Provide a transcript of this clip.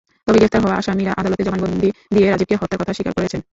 তবে গ্রেপ্তার হওয়া আসামিরা আদালতে জবানবন্দি দিয়ে রাজীবকে হত্যার কথা স্বীকার করেছেন।